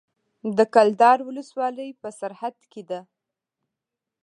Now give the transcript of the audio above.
د کلدار ولسوالۍ په سرحد کې ده